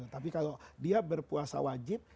tapi kalau dia berpuasa wajib